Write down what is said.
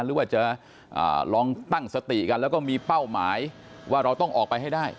หรือว่าจะลองตั้งสติกันแล้วก็มีเป้าหมายว่าเราต้องออกไปให้ได้